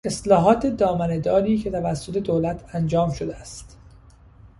اصلاحات دامنه داری که توسط دولت انجام شده است